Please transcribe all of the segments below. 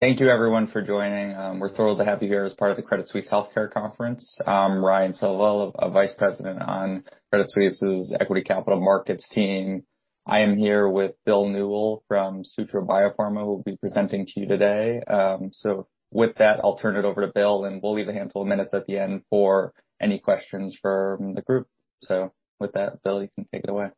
Thank you everyone for joining. We're thrilled to have you here as part of the Credit Suisse Healthcare Conference. I'm Ryan Silva, a Vice President on Credit Suisse's Equity Capital Markets team. I am here with Bill Newell from Sutro Biopharma, who will be presenting to you today. With that, I'll turn it over to Bill, and we'll leave a handful of minutes at the end for any questions from the group. With that, Bill, you can take it away.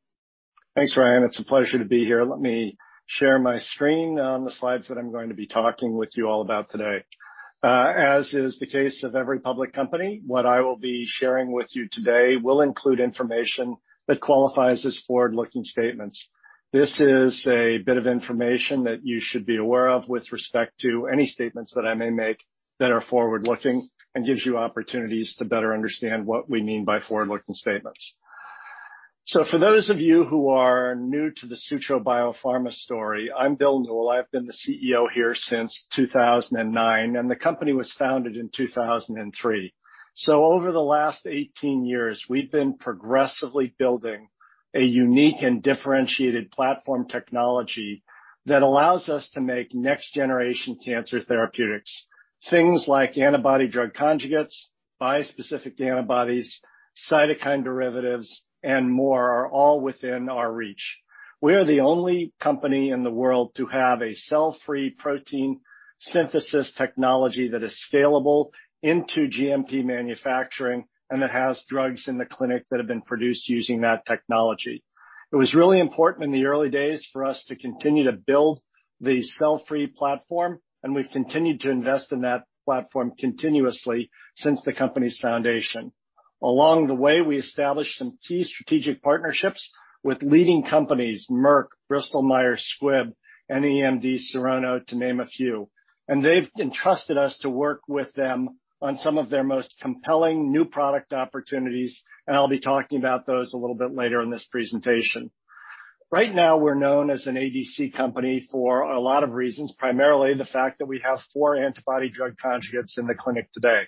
Thanks, Ryan. It's a pleasure to be here. Let me share my screen on the slides that I'm going to be talking with you all about today. As is the case of every public company, what I will be sharing with you today will include information that qualifies as forward-looking statements. This is a bit of information that you should be aware of with respect to any statements that I may make that are forward-looking and gives you opportunities to better understand what we mean by forward-looking statements. For those of you who are new to the Sutro Biopharma story, I'm Bill Newell. I've been the CEO here since 2009, and the company was founded in 2003. Over the last 18 years, we've been progressively building a unique and differentiated platform technology that allows us to make next-generation cancer therapeutics. Things like antibody-drug conjugates, bispecific antibodies, cytokine derivatives, and more are all within our reach. We are the only company in the world to have a cell-free protein synthesis technology that is scalable into GMP manufacturing and that has drugs in the clinic that have been produced using that technology. It was really important in the early days for us to continue to build the cell-free platform, and we've continued to invest in that platform continuously since the company's foundation. Along the way, we established some key strategic partnerships with leading companies, Merck, Bristol Myers Squibb, and EMD Serono, to name a few. They've entrusted us to work with them on some of their most compelling new product opportunities, and I'll be talking about those a little bit later in this presentation. Right now, we're known as an ADC company for a lot of reasons, primarily the fact that we have four antibody-drug conjugates in the clinic today.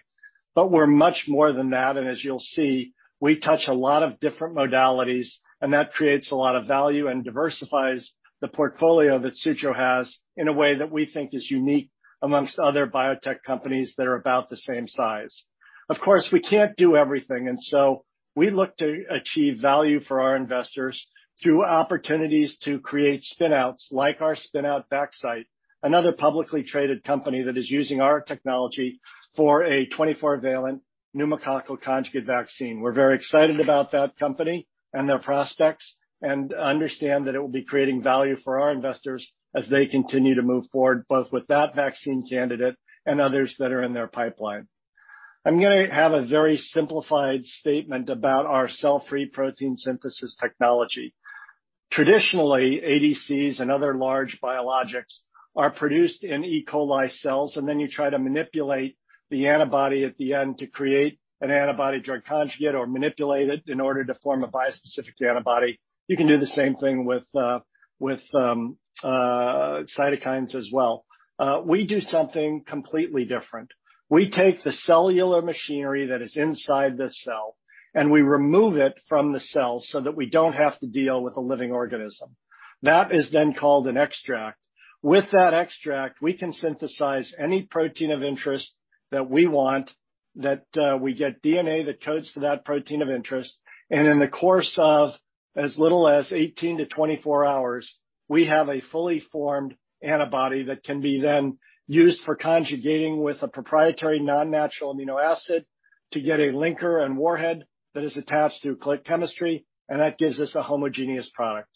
We're much more than that, and as you'll see, we touch a lot of different modalities, and that creates a lot of value and diversifies the portfolio that Sutro has in a way that we think is unique amongst other biotech companies that are about the same size. Of course, we can't do everything, and so we look to achieve value for our investors through opportunities to create spin-outs like our spin-out Vaxcyte, another publicly traded company that is using our technology for a 24-valent pneumococcal conjugate vaccine. We're very excited about that company and their prospects and understand that it will be creating value for our investors as they continue to move forward, both with that vaccine candidate and others that are in their pipeline. I'm gonna have a very simplified statement about our cell-free protein synthesis technology. Traditionally, ADCs and other large biologics are produced in E. coli cells, and then you try to manipulate the antibody at the end to create an antibody-drug conjugate or manipulate it in order to form a bispecific antibody. You can do the same thing with cytokines as well. We do something completely different. We take the cellular machinery that is inside the cell, and we remove it from the cell so that we don't have to deal with a living organism. That is then called an extract. With that extract, we can synthesize any protein of interest that we want, that we get DNA that codes for that protein of interest. In the course of as little as 18-24 hours, we have a fully formed antibody that can be then used for conjugating with a proprietary non-natural amino acid to get a linker and warhead that is attached through click chemistry, and that gives us a homogeneous product.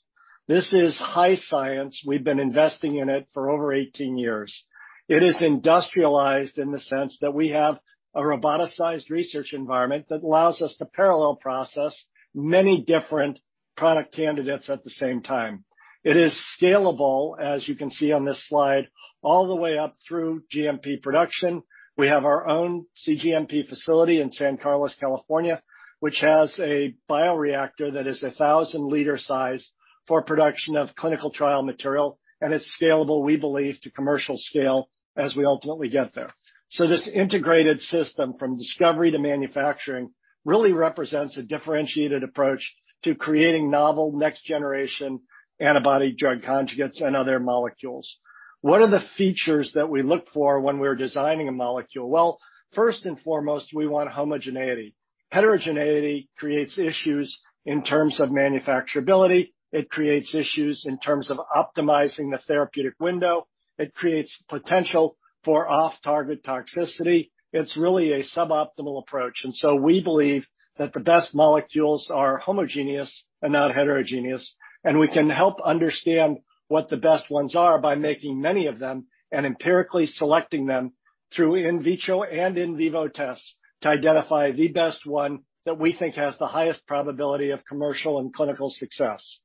This is high science. We've been investing in it for over 18 years. It is industrialized in the sense that we have a roboticized research environment that allows us to parallel process many different product candidates at the same time. It is scalable, as you can see on this slide, all the way up through GMP production. We have our own cGMP facility in San Carlos, California, which has a bioreactor that is a 1,000-liter size for production of clinical trial material, and it's scalable, we believe, to commercial scale as we ultimately get there. This integrated system from discovery to manufacturing really represents a differentiated approach to creating novel next-generation antibody-drug conjugates and other molecules. What are the features that we look for when we're designing a molecule? Well, first and foremost, we want homogeneity. Heterogeneity creates issues in terms of manufacturability. It creates issues in terms of optimizing the therapeutic window. It creates potential for off-target toxicity. It's really a suboptimal approach. We believe that the best molecules are homogeneous and not heterogeneous, and we can help understand what the best ones are by making many of them and empirically selecting them through in vitro and in vivo tests to identify the best one that we think has the highest probability of commercial and clinical success.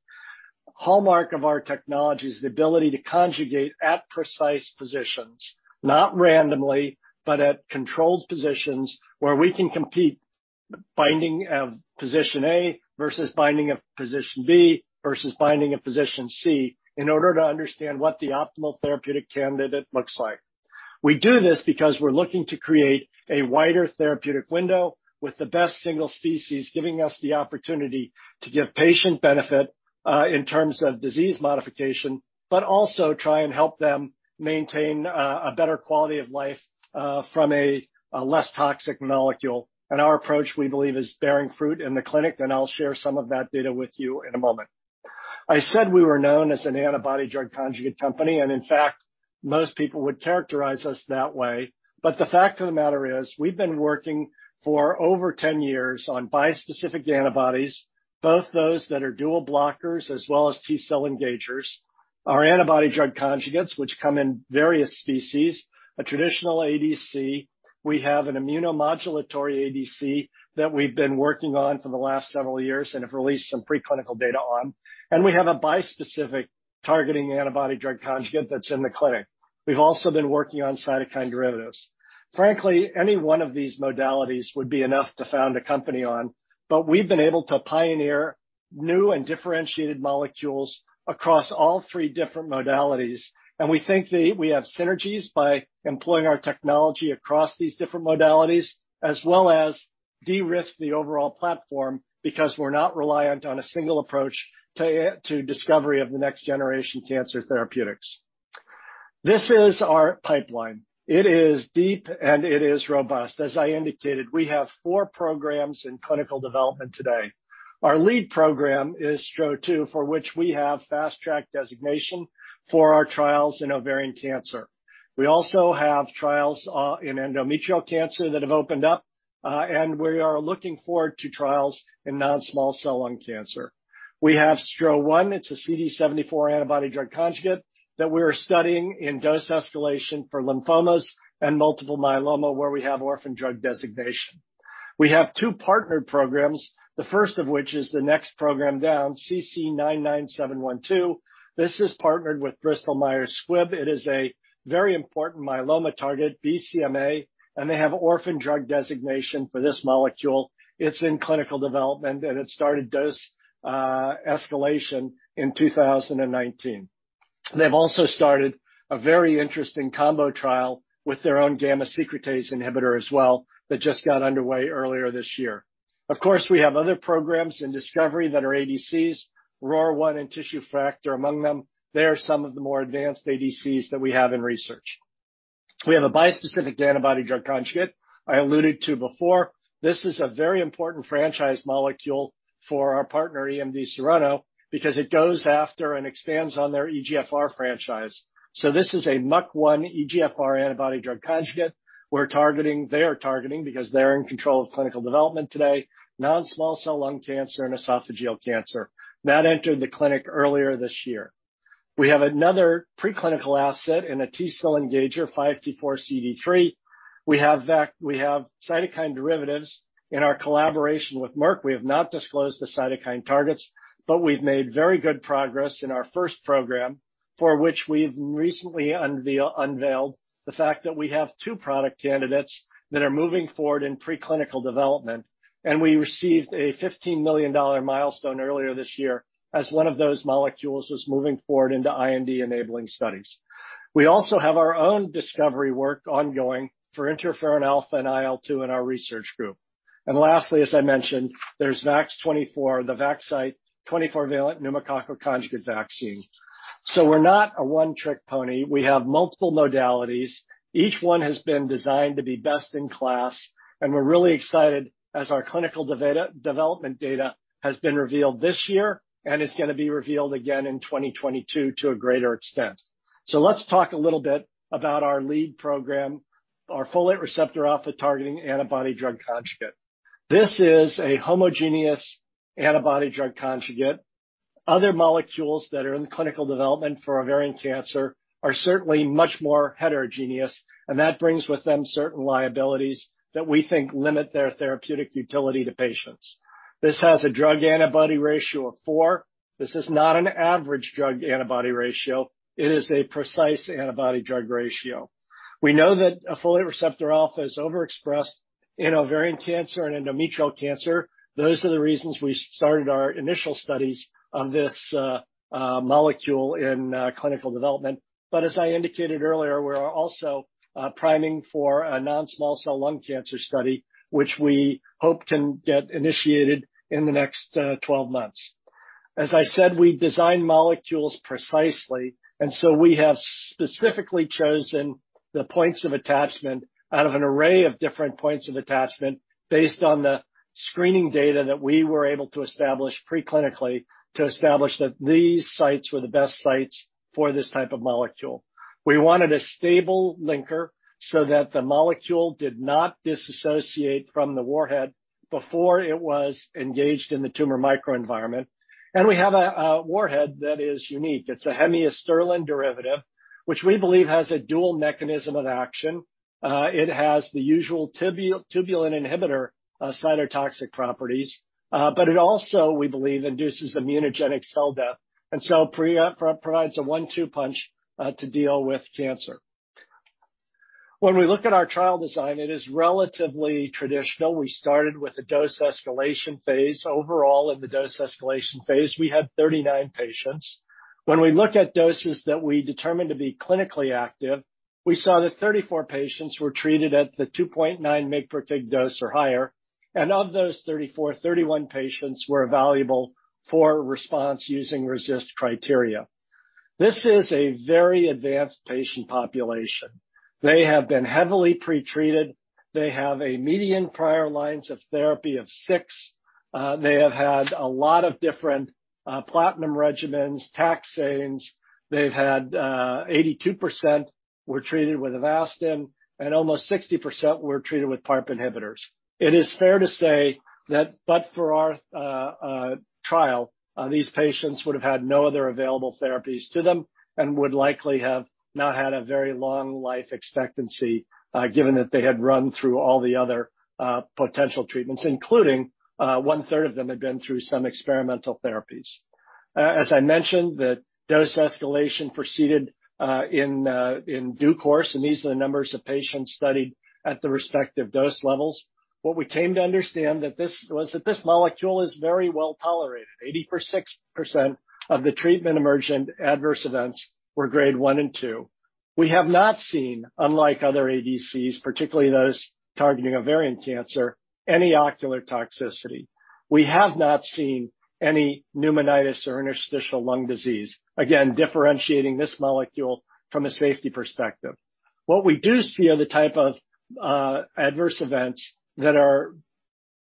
The hallmark of our technology is the ability to conjugate at precise positions, not randomly, but at controlled positions where we can compete binding of position A versus binding of position B versus binding of position C in order to understand what the optimal therapeutic candidate looks like. We do this because we're looking to create a wider therapeutic window with the best single species giving us the opportunity to give patient benefit in terms of disease modification, but also try and help them maintain a better quality of life from a less toxic molecule. Our approach, we believe, is bearing fruit in the clinic, and I'll share some of that data with you in a moment. I said we were known as an antibody-drug conjugate company, and in fact, most people would characterize us that way. The fact of the matter is we've been working for over 10 years on bispecific antibodies, both those that are dual blockers as well as T-cell engagers. Our antibody-drug conjugates, which come in various species. A traditional ADC, we have an immunomodulatory ADC that we've been working on for the last several years and have released some preclinical data on, and we have a bispecific targeting antibody drug conjugate that's in the clinic. We've also been working on cytokine derivatives. Frankly, any one of these modalities would be enough to found a company on, but we've been able to pioneer new and differentiated molecules across all three different modalities. We think that we have synergies by employing our technology across these different modalities, as well as de-risk the overall platform because we're not reliant on a single approach to discovery of the next-generation cancer therapeutics. This is our pipeline. It is deep, and it is robust. As I indicated, we have four programs in clinical development today. Our lead program is STRO-002, for which we have Fast Track designation for our trials in ovarian cancer. We also have trials in endometrial cancer that have opened up, and we are looking forward to trials in non-small cell lung cancer. We have STRO-001. It's a CD74 antibody drug conjugate that we're studying in dose escalation for lymphomas and multiple myeloma, where we have orphan drug designation. We have two partnered programs, the first of which is the next program down, CC-99712. This is partnered with Bristol Myers Squibb. It is a very important myeloma target, BCMA, and they have orphan drug designation for this molecule. It's in clinical development, and it started dose escalation in 2019. They've also started a very interesting combo trial with their own gamma secretase inhibitor as well that just got underway earlier this year. Of course, we have other programs in discovery that are ADCs, ROR1 and tissue factor among them. They are some of the more advanced ADCs that we have in research. We have a bispecific antibody drug conjugate I alluded to before. This is a very important franchise molecule for our partner, EMD Serono, because it goes after and expands on their EGFR franchise. This is a MUC1 EGFR antibody drug conjugate. They are targeting because they're in control of clinical development today, non-small cell lung cancer and esophageal cancer. That entered the clinic earlier this year. We have another preclinical asset in a T-cell engager, 5T4 CD3. We have cytokine derivatives. In our collaboration with Merck, we have not disclosed the cytokine targets, but we've made very good progress in our first program, for which we've recently unveiled the fact that we have two product candidates that are moving forward in preclinical development, and we received a $15 million milestone earlier this year as one of those molecules is moving forward into IND-enabling studies. We also have our own discovery work ongoing for interferon alpha and IL-2 in our research group. Lastly, as I mentioned, there's VAX-24, the Vaxcyte 24-valent pneumococcal conjugate vaccine. We're not a one-trick pony. We have multiple modalities. Each one has been designed to be best in class, and we're really excited as our clinical development data has been revealed this year and is gonna be revealed again in 2022 to a greater extent. Let's talk a little bit about our lead program, our folate receptor alpha-targeting antibody drug conjugate. This is a homogeneous antibody drug conjugate. Other molecules that are in clinical development for ovarian cancer are certainly much more heterogeneous, and that brings with them certain liabilities that we think limit their therapeutic utility to patients. This has a drug antibody ratio of four. This is not an average drug antibody ratio. It is a precise antibody drug ratio. We know that a folate receptor alpha is overexpressed in ovarian cancer and endometrial cancer. Those are the reasons we started our initial studies on this molecule in clinical development. As I indicated earlier, we are also priming for a non-small cell lung cancer study, which we hope can get initiated in the next 10-12 months. As I said, we design molecules precisely, and so we have specifically chosen the points of attachment out of an array of different points of attachment based on the screening data that we were able to establish preclinically to establish that these sites were the best sites for this type of molecule. We wanted a stable linker so that the molecule did not disassociate from the warhead before it was engaged in the tumor microenvironment. We have a warhead that is unique. It's a hemiasterlin derivative, which we believe has a dual mechanism of action. It has the usual tubulin inhibitor cytotoxic properties, but it also, we believe, induces immunogenic cell death and so provides a one-two punch to deal with cancer. When we look at our trial design, it is relatively traditional. We started with a dose escalation phase. Overall, in the dose escalation phase, we had 39 patients. When we look at doses that we determined to be clinically active, we saw that 34 patients were treated at the 2.9 mg/kg dose or higher, and of those 34, 31 patients were evaluable for response using RECIST criteria. This is a very advanced patient population. They have been heavily pretreated. They have a median of six prior lines of therapy. They have had a lot of different platinum regimens, taxanes. They've had 82% were treated with Avastin, and almost 60% were treated with PARP inhibitors. It is fair to say that but for our trial, these patients would have had no other available therapies to them and would likely have not had a very long life expectancy, given that they had run through all the other potential treatments, including 1/3 of them had been through some experimental therapies. As I mentioned, the dose escalation proceeded in due course, and these are the numbers of patients studied at the respective dose levels. What we came to understand was that this molecule is very well tolerated. 86% of the treatment-emergent adverse events were grade one and two. We have not seen, unlike other ADCs, particularly those targeting ovarian cancer, any ocular toxicity. We have not seen any pneumonitis or interstitial lung disease, again, differentiating this molecule from a safety perspective. What we do see are the type of adverse events that are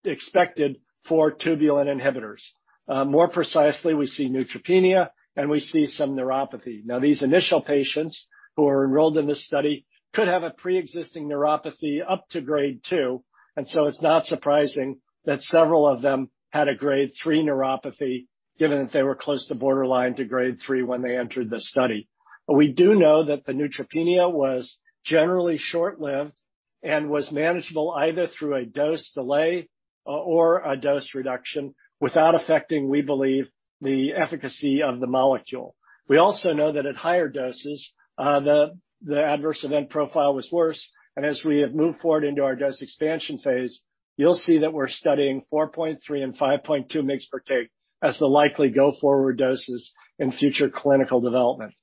expected for tubulin inhibitors. More precisely, we see neutropenia, and we see some neuropathy. Now, these initial patients who are enrolled in this study could have a preexisting neuropathy up to grade two, and so it's not surprising that several of them had a grade three neuropathy, given that they were close to borderline to grade three when they entered the study. We do know that the neutropenia was generally short-lived and was manageable either through a dose delay or a dose reduction without affecting, we believe, the efficacy of the molecule. We also know that at higher doses, the adverse event profile was worse, and as we have moved forward into our dose expansion phase, you'll see that we're studying 4.3 and 5.2 mg/kg as the likely go-forward doses in future clinical development.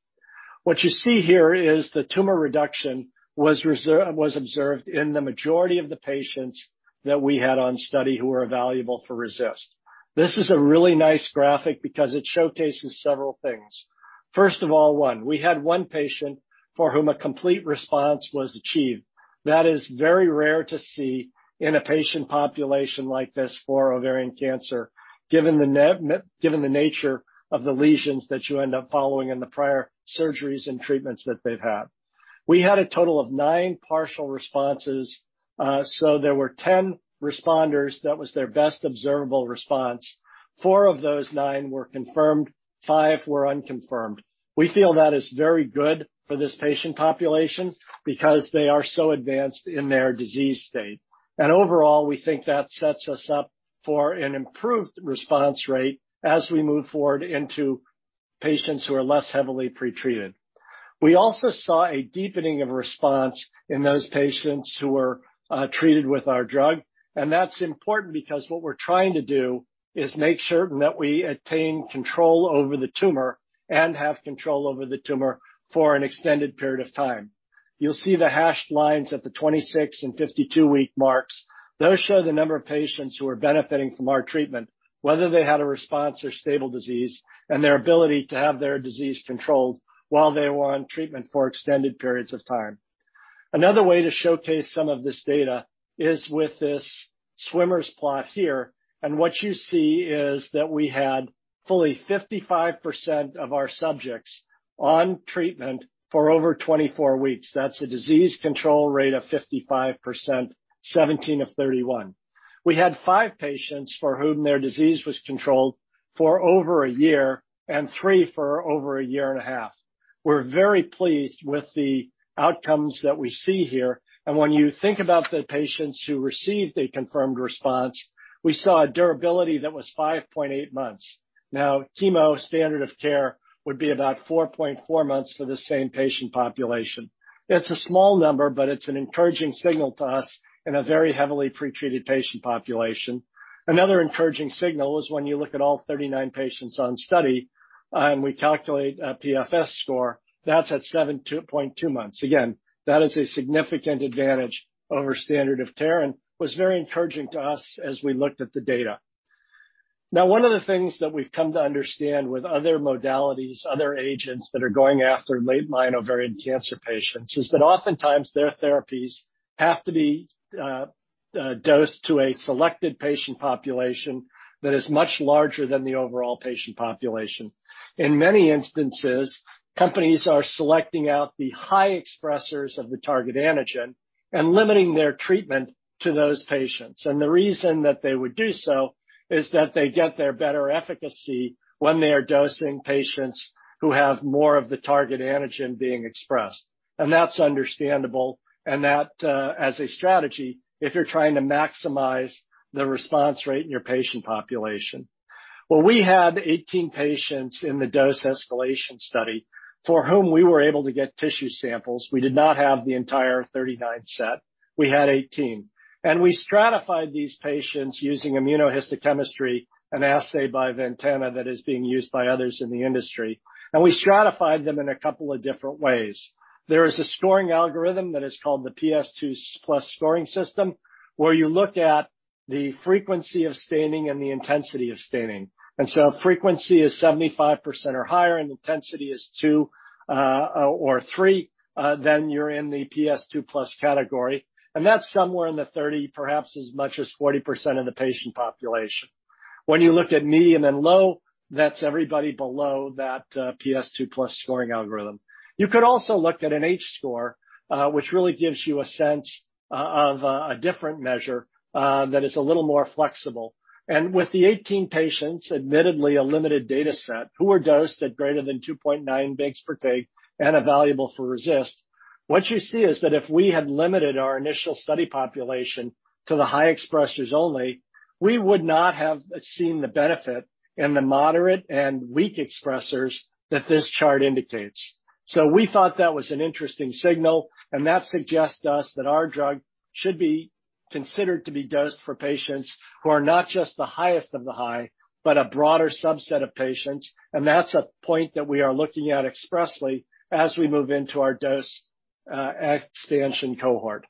What you see here is the tumor reduction was observed in the majority of the patients that we had on study who were evaluable for RECIST. This is a really nice graphic because it showcases several things. First of all, one, we had one patient for whom a complete response was achieved. That is very rare to see in a patient population like this for ovarian cancer, given the nature of the lesions that you end up following and the prior surgeries and treatments that they've had. We had a total of nine partial responses, so there were 10 responders. That was their best observable response. Four of those nine were confirmed. Five were unconfirmed. We feel that is very good for this patient population because they are so advanced in their disease state. Overall, we think that sets us up for an improved response rate as we move forward into patients who are less heavily pretreated. We also saw a deepening of response in those patients who were treated with our drug. That's important because what we're trying to do is make certain that we attain control over the tumor and have control over the tumor for an extended period of time. You'll see the hashed lines at the 26 and 52-week marks. Those show the number of patients who are benefiting from our treatment, whether they had a response or stable disease, and their ability to have their disease controlled while they were on treatment for extended periods of time. Another way to showcase some of this data is with this Swimmer's plot here. What you see is that we had fully 55% of our subjects on treatment for over 24 weeks. That's a disease control rate of 55%, 17 of 31. We had five patients for whom their disease was controlled for over a year and three for over a year and a half. We're very pleased with the outcomes that we see here. When you think about the patients who received a confirmed response, we saw a durability that was 5.8 months. Now, chemo standard of care would be about 4.4 months for the same patient population. It's a small number, but it's an encouraging signal to us in a very heavily pretreated patient population. Another encouraging signal is when you look at all 39 patients on study, and we calculate a PFS score, that's at 7.2 months. Again, that is a significant advantage over standard of care and was very encouraging to us as we looked at the data. Now, one of the things that we've come to understand with other modalities, other agents that are going after late-line ovarian cancer patients, is that oftentimes their therapies have to be dosed to a selected patient population that is much larger than the overall patient population. In many instances, companies are selecting out the high expressers of the target antigen and limiting their treatment to those patients. The reason that they would do so is that they get their better efficacy when they are dosing patients who have more of the target antigen being expressed. That's understandable, and that, as a strategy, if you're trying to maximize the response rate in your patient population. Well, we had 18 patients in the dose escalation study for whom we were able to get tissue samples. We did not have the entire 39 set. We had 18. We stratified these patients using immunohistochemistry, an assay by Ventana that is being used by others in the industry. We stratified them in a couple of different ways. There is a scoring algorithm that is called the PS2+ scoring system, where you look at the frequency of staining and the intensity of staining. If frequency is 75% or higher and intensity is two or three, then you're in the PS2+ category, and that's somewhere in the 30%, perhaps as much as 40% of the patient population. When you look at medium and then low, that's everybody below that PS2+ scoring algorithm. You could also look at an H-score, which really gives you a sense of a different measure that is a little more flexible. With the 18 patients, admittedly a limited data set, who are dosed at greater than 2.9 mg/kg per day and evaluable for RECIST. What you see is that if we had limited our initial study population to the high expressers only, we would not have seen the benefit in the moderate and weak expressers that this chart indicates. We thought that was an interesting signal, and that suggests to us that our drug should be considered to be dosed for patients who are not just the highest of the high, but a broader subset of patients. That's a point that we are looking at expressly as we move into our dose expansion cohort.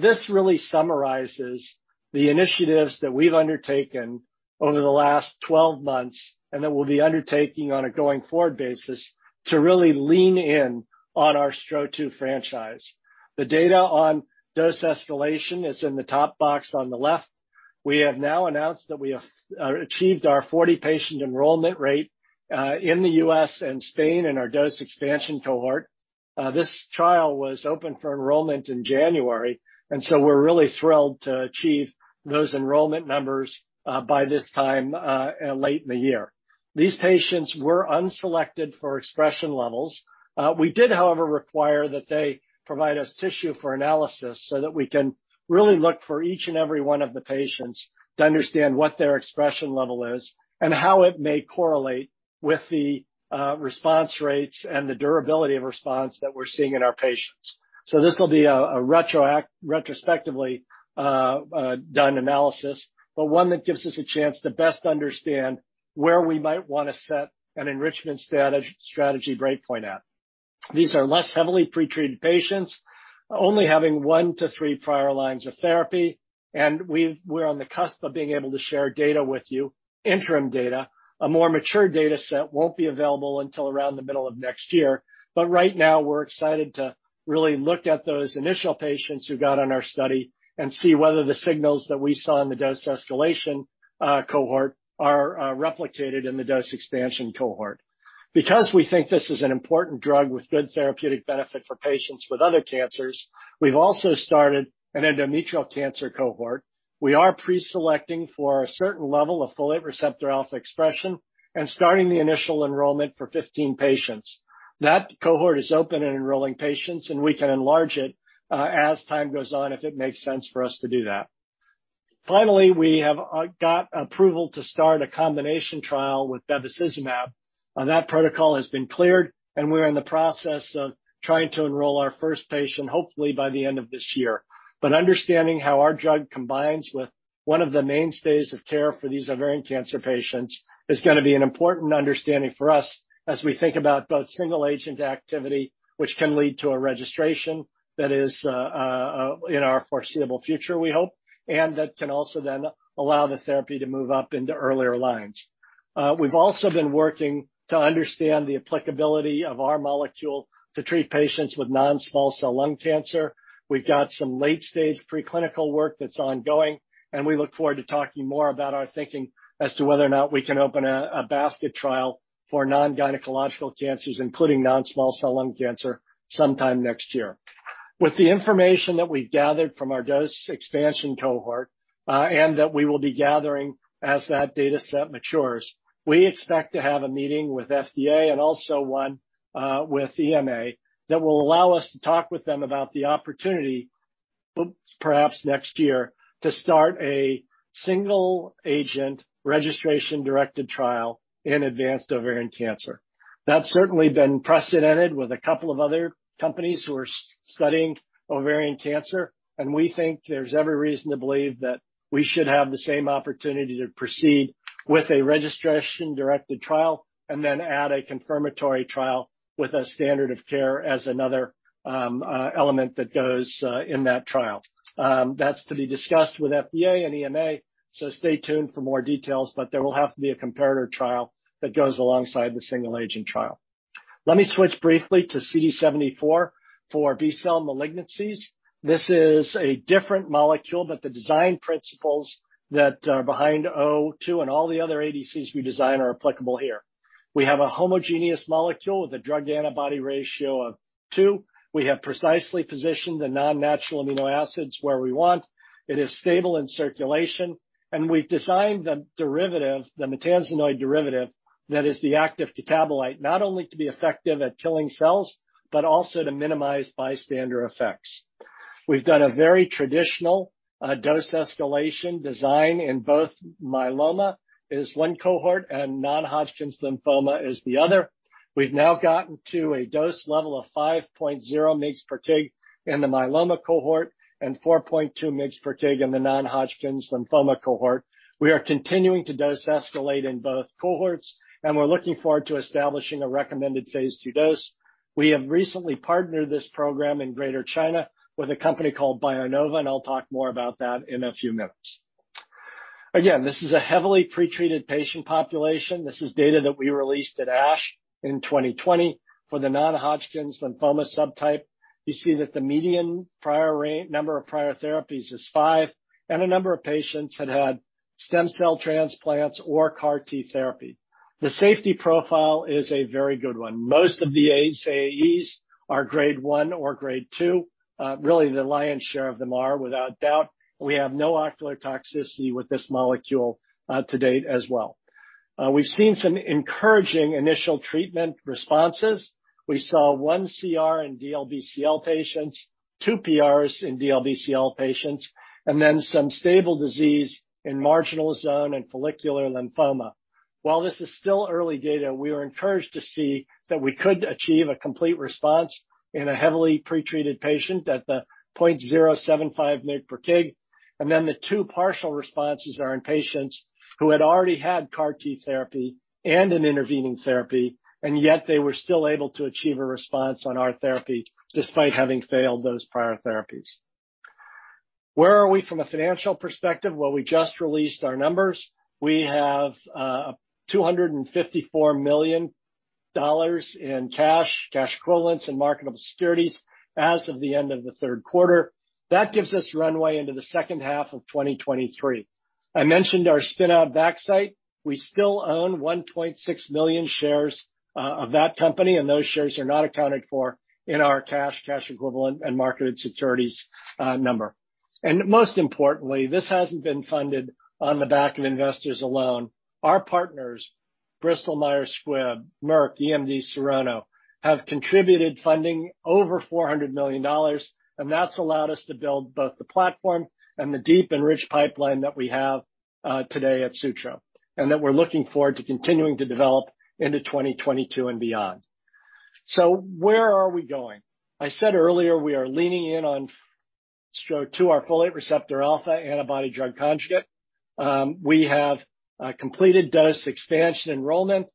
This really summarizes the initiatives that we've undertaken over the last 12 months and that we'll be undertaking on a going-forward basis to really lean in on our STRO-002 franchise. The data on dose escalation is in the top box on the left. We have now announced that we have achieved our 40-patient enrollment rate in the U.S. and Spain in our dose expansion cohort. This trial was open for enrollment in January. We're really thrilled to achieve those enrollment numbers by this time late in the year. These patients were unselected for expression levels. We did, however, require that they provide us tissue for analysis so that we can really look for each and every one of the patients to understand what their expression level is and how it may correlate with the response rates and the durability of response that we're seeing in our patients. This will be a retrospectively done analysis, but one that gives us a chance to best understand where we might want to set an enrichment strategy breakpoint at. These are less heavily pretreated patients, only having one to three prior lines of therapy, and we're on the cusp of being able to share data with you, interim data. A more mature data set won't be available until around the middle of next year. Right now, we're excited to really look at those initial patients who got on our study and see whether the signals that we saw in the dose escalation cohort are replicated in the dose expansion cohort. Because we think this is an important drug with good therapeutic benefit for patients with other cancers, we've also started an endometrial cancer cohort. We are preselecting for a certain level of folate receptor alpha expression and starting the initial enrollment for 15 patients. That cohort is open and enrolling patients, and we can enlarge it as time goes on if it makes sense for us to do that. Finally, we have got approval to start a combination trial with bevacizumab. That protocol has been cleared, and we're in the process of trying to enroll our first patient, hopefully by the end of this year. Understanding how our drug combines with one of the mainstays of care for these ovarian cancer patients is going to be an important understanding for us as we think about both single agent activity, which can lead to a registration that is in our foreseeable future, we hope, and that can also then allow the therapy to move up into earlier lines. We've also been working to understand the applicability of our molecule to treat patients with non-small cell lung cancer. We've got some late-stage preclinical work that's ongoing, and we look forward to talking more about our thinking as to whether or not we can open a basket trial for non-gynecological cancers, including non-small cell lung cancer, sometime next year. With the information that we've gathered from our dose expansion cohort, and that we will be gathering as that data set matures, we expect to have a meeting with FDA and also one with EMA that will allow us to talk with them about the opportunity, perhaps next year, to start a single agent registration-directed trial in advanced ovarian cancer. That's certainly been precedented with a couple of other companies who are studying ovarian cancer, and we think there's every reason to believe that we should have the same opportunity to proceed with a registration-directed trial and then add a confirmatory trial with a standard of care as another element that goes in that trial. That's to be discussed with FDA and EMA, so stay tuned for more details. There will have to be a comparator trial that goes alongside the single agent trial. Let me switch briefly to CD74 for B-cell malignancies. This is a different molecule, but the design principles that are behind STRO-002 and all the other ADCs we design are applicable here. We have a homogeneous molecule with a drug-to-antibody ratio of two. We have precisely positioned the non-natural amino acids where we want. It is stable in circulation, and we've designed the derivative, the maytansinoid derivative, that is the active metabolite, not only to be effective at killing cells, but also to minimize bystander effects. We've done a very traditional dose escalation design in both myeloma as one cohort and non-Hodgkin lymphoma as the other. We've now gotten to a dose level of 5.0 mg/kg in the myeloma cohort and 4.2 mg/kg in the non-Hodgkin lymphoma cohort. We are continuing to dose escalate in both cohorts, and we're looking forward to establishing a recommended phase II dose. We have recently partnered this program in Greater China with a company called BioNova, and I'll talk more about that in a few minutes. Again, this is a heavily pretreated patient population. This is data that we released at ASH in 2020 for the non-Hodgkin lymphoma subtype. You see that the median number of prior therapies is five, and a number of patients had stem cell transplants or CAR T therapy. The safety profile is a very good one. Most of the AEs SAEs are grade one or grade two. Really, the lion's share of them are, without doubt. We have no ocular toxicity with this molecule, to date as well. We've seen some encouraging initial treatment responses. We saw one CR in DLBCL patients, two PRs in DLBCL patients, and then some stable disease in marginal zone and follicular lymphoma. While this is still early data, we are encouraged to see that we could achieve a complete response in a heavily pretreated patient at the 0.075 mg/kg. Then the two partial responses are in patients who had already had CAR T therapy and an intervening therapy, and yet they were still able to achieve a response on our therapy despite having failed those prior therapies. Where are we from a financial perspective? Well, we just released our numbers. We have $254 million in cash equivalents, and marketable securities as of the end of the third quarter. That gives us runway into the second half of 2023. I mentioned our spin-out Vaxcyte. We still own 1.6 million shares of that company, and those shares are not accounted for in our cash equivalent, and market securities number. Most importantly, this hasn't been funded on the back of investors alone. Our partners, Bristol Myers Squibb, Merck, EMD Serono, have contributed funding over $400 million, and that's allowed us to build both the platform and the deep and rich pipeline that we have today at Sutro and that we're looking forward to continuing to develop into 2022 and beyond. Where are we going? I said earlier we are leaning in on STRO-002, our folate receptor alpha antibody drug conjugate. We have completed dose expansion enrollment.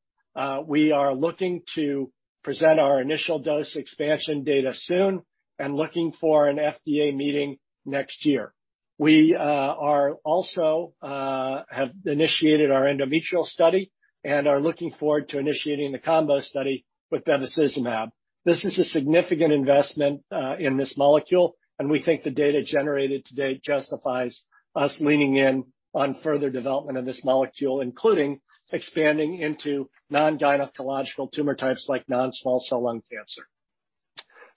We are looking to present our initial dose expansion data soon and looking for an FDA meeting next year. We are also have initiated our endometrial study and are looking forward to initiating the combo study with bevacizumab. This is a significant investment in this molecule, and we think the data generated to date justifies us leaning in on further development of this molecule, including expanding into non-gynecological tumor types like non-small cell lung cancer.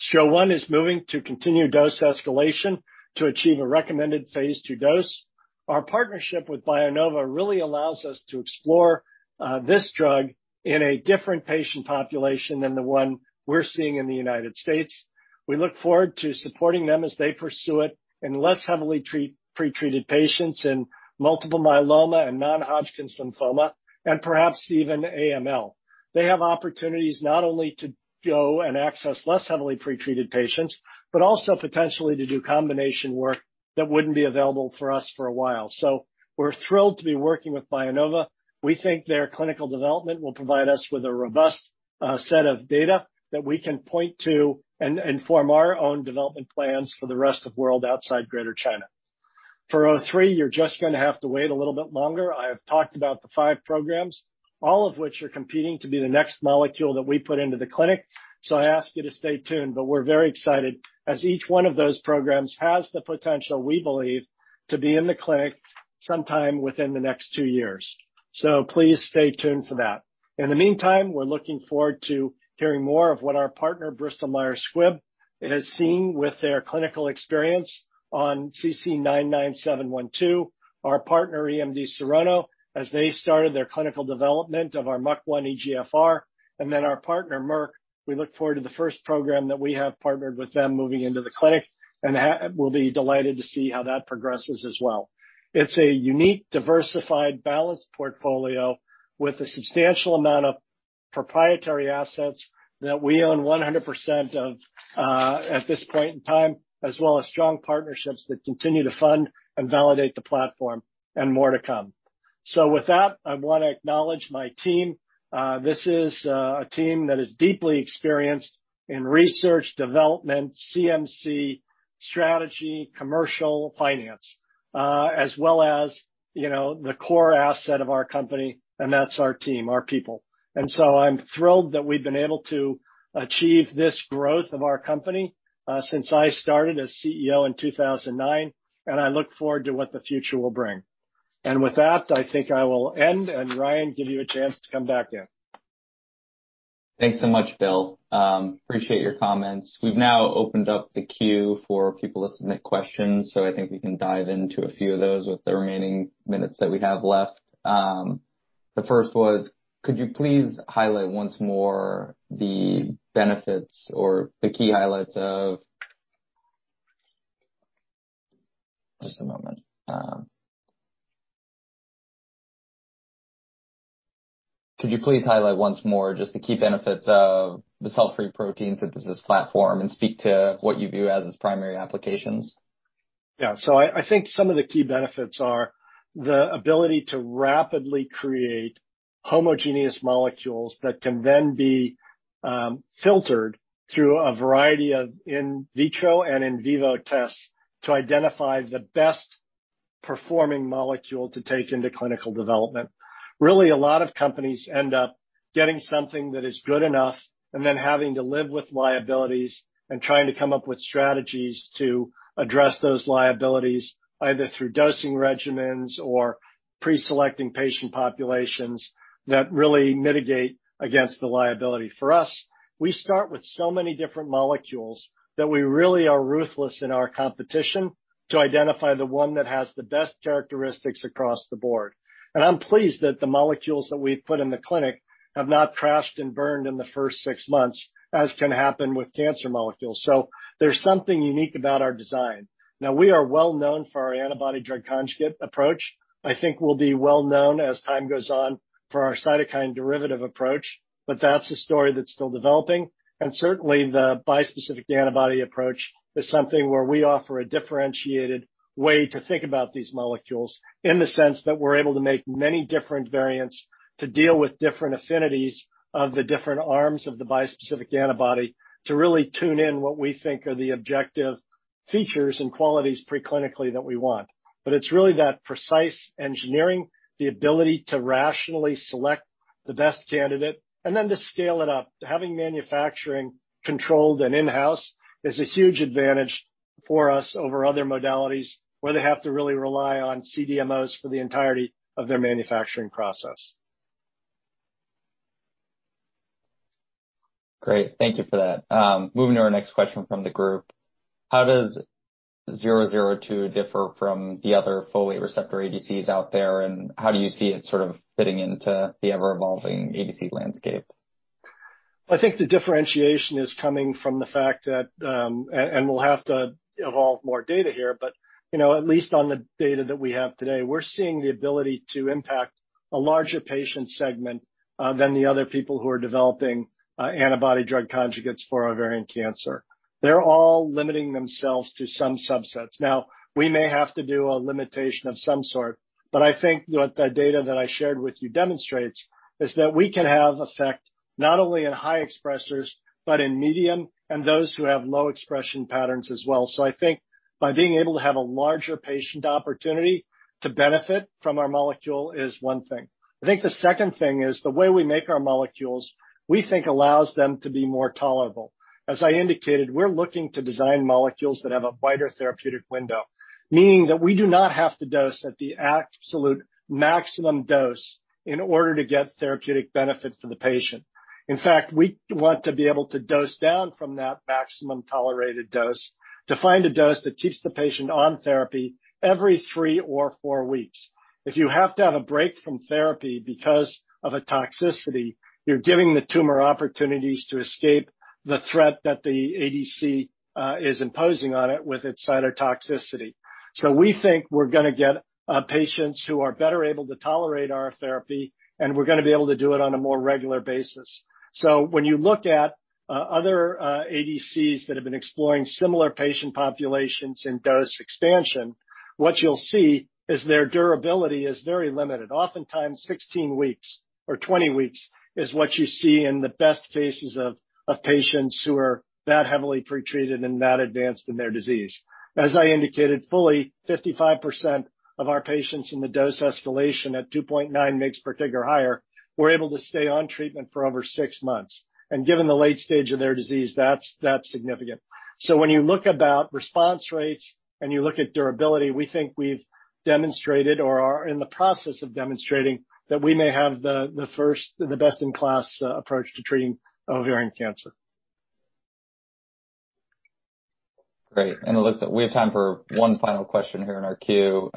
STRO-001 is moving to continued dose escalation to achieve a recommended phase II dose. Our partnership with BioNova really allows us to explore this drug in a different patient population than the one we're seeing in the United States. We look forward to supporting them as they pursue it in less heavily pretreated patients in multiple myeloma and non-Hodgkin's lymphoma and perhaps even AML. They have opportunities not only to go and access less heavily pretreated patients but also potentially to do combination work that wouldn't be available for us for a while. We're thrilled to be working with BioNova. We think their clinical development will provide us with a robust set of data that we can point to and form our own development plans for the rest of world outside Greater China. For STRO-003, you're just gonna have to wait a little bit longer. I have talked about the five programs, all of which are competing to be the next molecule that we put into the clinic. I ask you to stay tuned, but we're very excited as each one of those programs has the potential, we believe, to be in the clinic sometime within the next two years. Please stay tuned for that. In the meantime, we're looking forward to hearing more of what our partner, Bristol Myers Squibb, has seen with their clinical experience on CC-99712, our partner EMD Serono as they started their clinical development of our MUC1 EGFR, and then our partner Merck, we look forward to the first program that we have partnered with them moving into the clinic, and we'll be delighted to see how that progresses as well. It's a unique, diversified, balanced portfolio with a substantial amount of proprietary assets that we own 100% of, at this point in time, as well as strong partnerships that continue to fund and validate the platform and more to come. With that, I want to acknowledge my team. This is a team that is deeply experienced in research, development, CMC, strategy, commercial, finance, as well as, you know, the core asset of our company, and that's our team, our people. I'm thrilled that we've been able to achieve this growth of our company since I started as CEO in 2009, and I look forward to what the future will bring. With that, I think I will end, and Ryan, give you a chance to come back in. Thanks so much, Bill. Appreciate your comments. We've now opened up the queue for people to submit questions, so I think we can dive into a few of those with the remaining minutes that we have left. The first was, could you please highlight once more just the key benefits of the cell-free protein synthesis platform, and speak to what you view as its primary applications? Yeah. I think some of the key benefits are the ability to rapidly create homogeneous molecules that can then be filtered through a variety of in vitro and in vivo tests to identify the best performing molecule to take into clinical development. Really, a lot of companies end up getting something that is good enough and then having to live with liabilities and trying to come up with strategies to address those liabilities, either through dosing regimens or pre-selecting patient populations that really mitigate against the liability. For us, we start with so many different molecules that we really are ruthless in our competition to identify the one that has the best characteristics across the board. I'm pleased that the molecules that we've put in the clinic have not crashed and burned in the first six months, as can happen with cancer molecules. There's something unique about our design. Now, we are well-known for our antibody-drug conjugate approach. I think we'll be well-known as time goes on for our cytokine derivative approach, but that's a story that's still developing. Certainly, the bispecific antibody approach is something where we offer a differentiated way to think about these molecules, in the sense that we're able to make many different variants to deal with different affinities of the different arms of the bispecific antibody to really tune in what we think are the objective features and qualities pre-clinically that we want. It's really that precise engineering, the ability to rationally select the best candidate, and then to scale it up. Having manufacturing controlled and in-house is a huge advantage for us over other modalities where they have to really rely on CDMOs for the entirety of their manufacturing process. Great. Thank you for that. Moving to our next question from the group. How does STRO-002 differ from the other folate receptor ADCs out there, and how do you see it sort of fitting into the ever-evolving ADC landscape? I think the differentiation is coming from the fact that we'll have to evolve more data here. You know, at least on the data that we have today, we're seeing the ability to impact a larger patient segment than the other people who are developing antibody-drug conjugates for ovarian cancer. They're all limiting themselves to some subsets. Now, we may have to do a limitation of some sort. I think what the data that I shared with you demonstrates is that we can have effect not only in high expressers, but in medium and those who have low expression patterns as well. I think by being able to have a larger patient opportunity to benefit from our molecule is one thing. I think the second thing is the way we make our molecules, we think allows them to be more tolerable. As I indicated, we're looking to design molecules that have a wider therapeutic window, meaning that we do not have to dose at the absolute maximum dose in order to get therapeutic benefit for the patient. In fact, we want to be able to dose down from that maximum tolerated dose to find a dose that keeps the patient on therapy every three or four weeks. If you have to have a break from therapy because of a toxicity, you're giving the tumor opportunities to escape the threat that the ADC is imposing on it with its cytotoxicity. We think we're gonna get patients who are better able to tolerate our therapy, and we're gonna be able to do it on a more regular basis. When you look at other ADCs that have been exploring similar patient populations and dose expansion, what you'll see is their durability is very limited. Oftentimes, 16 weeks or 20 weeks is what you see in the best cases of patients who are that heavily pre-treated and that advanced in their disease. As I indicated fully, 55% of our patients in the dose escalation at 2.9 mg/kg or higher were able to stay on treatment for over six months. Given the late stage of their disease, that's significant. When you look at response rates and you look at durability, we think we've demonstrated or are in the process of demonstrating that we may have the first and the best-in-class approach to treating ovarian cancer. Great. It looks like we have time for one final question here in our queue.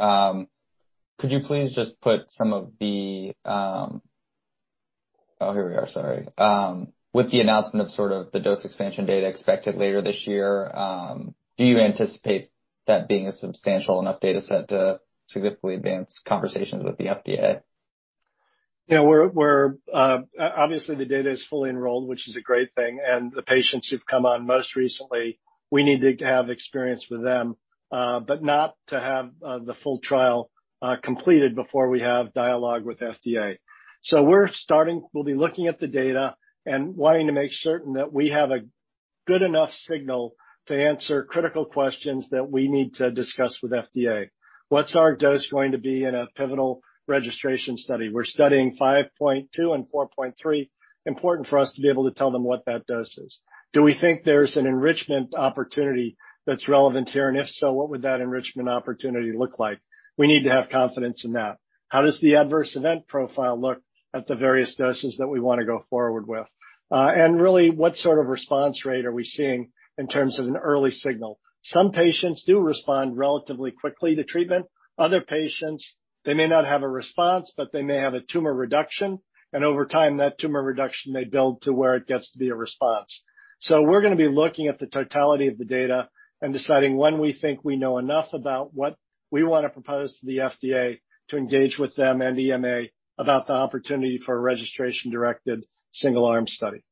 With the announcement of sort of the dose expansion data expected later this year, do you anticipate that being a substantial enough data set to significantly advance conversations with the FDA? Yeah. We're obviously the data is fully enrolled, which is a great thing. The patients who've come on most recently, we need to have experience with them, but not to have the full trial completed before we have dialogue with FDA. We'll be looking at the data and wanting to make certain that we have a good enough signal to answer critical questions that we need to discuss with FDA. What's our dose going to be in a pivotal registration study? We're studying 5.2 and 4.3. Important for us to be able to tell them what that dose is. Do we think there's an enrichment opportunity that's relevant here? If so, what would that enrichment opportunity look like? We need to have confidence in that. How does the adverse event profile look at the various doses that we wanna go forward with? Really, what sort of response rate are we seeing in terms of an early signal? Some patients do respond relatively quickly to treatment. Other patients, they may not have a response, but they may have a tumor reduction, and over time, that tumor reduction may build to where it gets to be a response. We're gonna be looking at the totality of the data and deciding when we think we know enough about what we wanna propose to the FDA to engage with them and EMA about the opportunity for a registration-directed single-arm study.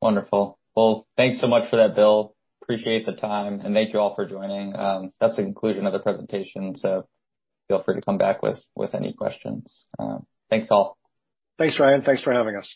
Wonderful. Well, thanks so much for that, Bill. Appreciate the time, and thank you all for joining. That's the conclusion of the presentation, so feel free to come back with any questions. Thanks, all. Thanks, Ryan. Thanks for having us.